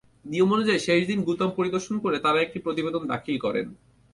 নিয়ম অনুযায়ী শেষ দিন গুদাম পরিদর্শন করে তাঁরা একটি প্রতিবেদন দাখিল করেন।